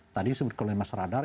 tadi seperti kalau mas radar